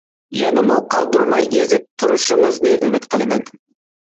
يەنىمۇ قالدۇرماي يېزىپ تۇرۇشىڭىزنى ئۈمىد قىلىمەن.